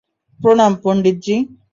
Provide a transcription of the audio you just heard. প্রণাম, পন্ডিতজি।